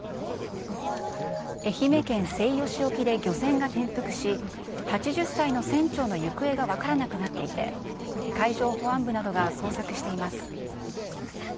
愛媛県西予市沖で漁船が転覆し、８０歳の船長の行方が分からなくなっていて、海上保安部などが捜索しています。